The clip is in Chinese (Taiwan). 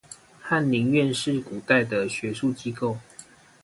翰林院是古代的學術機構